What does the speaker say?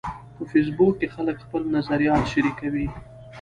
په فېسبوک کې خلک خپل نظریات شریکوي